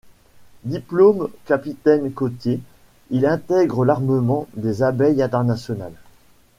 Diplôme capitaine côtier, il intègre l'armement des Abeilles International.